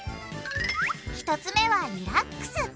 １つ目はリラックス。